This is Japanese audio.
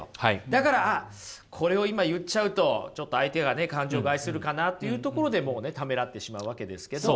だからあっこれを今言っちゃうとちょっと相手が感情を害するかなというところでもうねためらってしまうわけですけど。